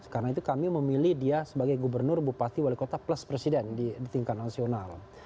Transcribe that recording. karena itu kami memilih dia sebagai gubernur bupati wali kota plus presiden di tingkat nasional